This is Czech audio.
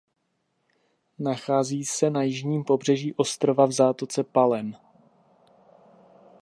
Nachází se na jižním pobřeží ostrova v Zátoce Palem.